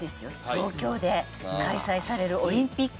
東京で開催されるオリンピック。